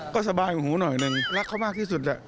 ก็สบายหูหน่อยหนึ่งรักเขามากที่สุดแหละ